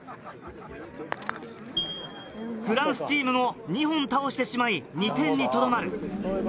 フランスチームも２本倒してしまい２点にとどまる。